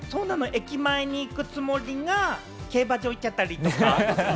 駅前に行くつもりが競馬場行っちゃったりとか？